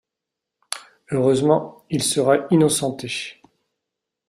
Heureusement, il sera innocenté.